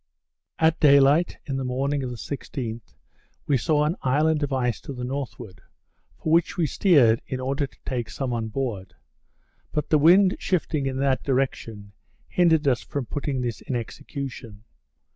At day light in the morning of the 16th, we saw an island of ice to the northward; for which we steered, in order to take some on board; but the wind shifting to that direction, hindered us from putting this in execution.